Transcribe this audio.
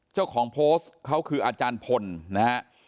เจ้าของโพสต์เขาคืออาจารย์พลนะฮะ